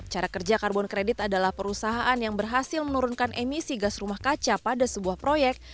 cara kerja karbon kredit adalah perusahaan yang berhasil menurunkan emisi gas rumah kaca pada sebuah proyek